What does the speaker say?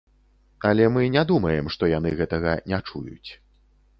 Але мы не думаем, што яны гэтага не чуюць.